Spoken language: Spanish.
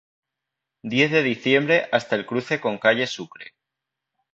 Diez de Diciembre hasta el cruce con calle Sucre.